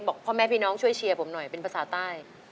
พ่อแม่พี่น้องช่วยเชียร์ผมหน่อยเป็นภาษาใต้